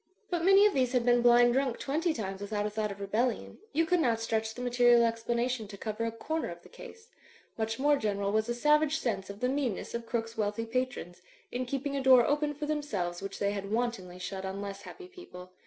■ But many of these had been blind drunk twenty times without a thought of rebellion ; you could not stretch the material explanation to cover a comer of the case. Much more general was a savage sense of the meanness of Crooke's wealthy patrons, in keeping a door open for themselves which they had wantonly shut on less happy people.